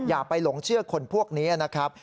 อย่าไปหลงเชื่อคนพวกนี้นะครับ